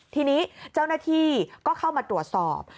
ทีนี้เจ้าหน้าที่ก็เข้ามาตรวจสอบ